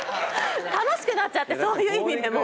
楽しくなっちゃってそういう意味でも。